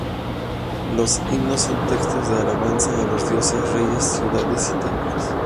Los himnos son textos de alabanza a los dioses, reyes, ciudades o templos.